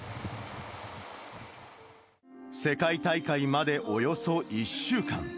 世界大会までおよそ１週間。